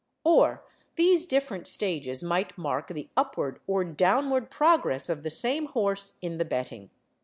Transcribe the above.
Or these different stages might mark the upward or downward progress of the same horse in the betting.